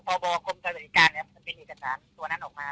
ปบคมสรรค์สถิติการนะครับมันเป็นเอกสารตัวนั้นออกมา